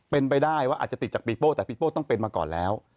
เป็นไปได้ว่าอาจจะติดจากปีโป้แต่ปีโป้ต้องเป็นมาก่อนแล้ว